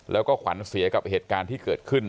แล้วก็ขวัญเสียกับเหตุการณ์ที่เกิดขึ้น